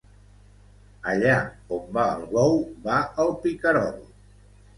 Allà on va el bou, va el picarol.